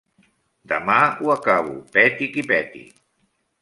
Demà ho acabo, peti qui peti.